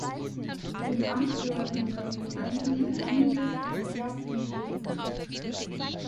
Dem Amt gehörten die beiden Gemeinden Handewitt und Jarplund-Weding an.